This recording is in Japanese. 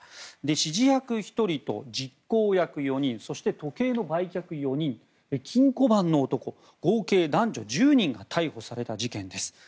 指示役１人と実行役４人そして時計の売却役４人金庫番の男、合計男女１０人が逮捕された事件です。